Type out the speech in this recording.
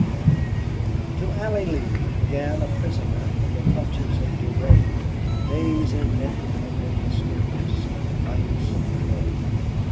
22 To Allie Lee, again a prisoner in the clutches of Durade, the days in Benton had been mysterious, the nights dreadful.